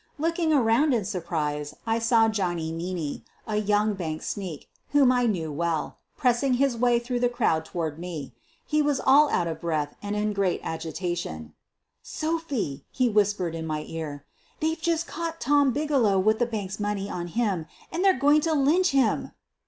Looking around in surprise I saw Johnny Meaney, a young bank sneak, whom I knew well, pressing his way through the crowd toward me. He was all out of breath and in the greatest agitation. " Sophie,' ' he whispered in my ear, "they're just caught Tom Bigelow with the bank's money on him and they're going to lynch him."